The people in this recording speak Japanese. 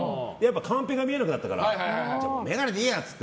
カンペが見えなくなったから眼鏡でいいやって。